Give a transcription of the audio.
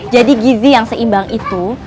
jadi gizi yang seimbang itu